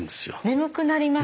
眠くなります。